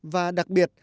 và đặc biệt